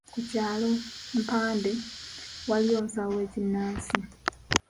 Ku kyalo Mpadde, waliyo omusawo w’ekinnansi.